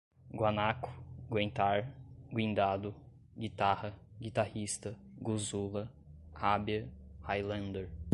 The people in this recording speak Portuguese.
guanaco, guentar, guindado, guitarra, guitarrista, guzula, habea, highlander